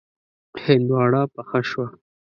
هندواڼه پخه شوه.